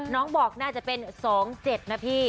น้องบอกน่าจะเป็น๒๗นะพี่